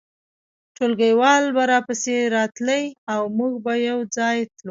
ټولګیوالې به راپسې راتلې او موږ به یو ځای تلو